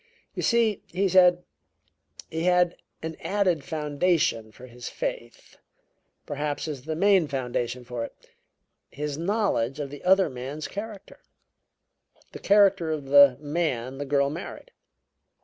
"You see," he said, "he had as an added foundation for his faith perhaps as the main foundation for it his knowledge of the other man's character; the character of the man the girl married.